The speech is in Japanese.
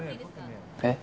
えっ？